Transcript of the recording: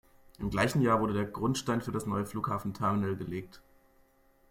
Im gleichen Jahr wurde der Grundstein für das neue Flughafenterminal gelegt.